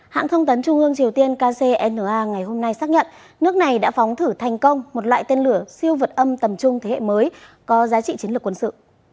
hãng thông tấn trung ương triều tiên kcna ngày hôm nay xác nhận nước này đã phóng thử thành công một loại tên lửa siêu vật âm tầm trung thế hệ mới có giá trị chiến lược quân sự